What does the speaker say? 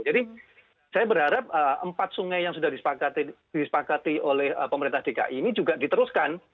jadi saya berharap empat sungai yang sudah disepakati oleh pemerintah vki ini juga diteruskan